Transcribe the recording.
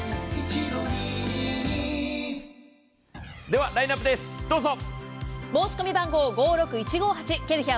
ではラインナップです、どうぞ。